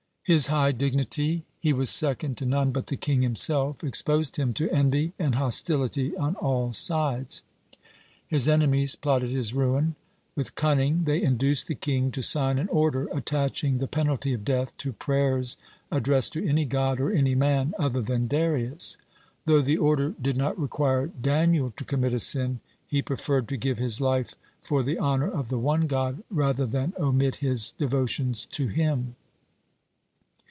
His high dignity he was second to none but the king himself exposed him to envy and hostility on all sides. His enemies plotted his ruin. With cunning they induced the king to sign an order attaching the penalty of death to prayers addressed to any god or any man other than Darius. (11) Though the order did not require Daniel to commit a sin, he preferred to give his life for the honor of the one God rather than omit his devotions to Him.